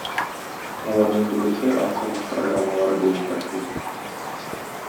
Аларның күбесе авторлык программалары буенча эшли